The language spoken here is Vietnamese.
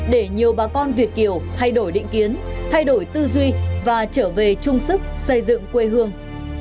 để nhiều bà con việt kiều thay đổi định kiến thay đổi tư duy và trở về chung sức xây dựng quê hương